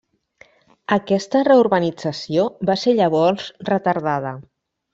Aquesta reurbanització va ser llavors retardada.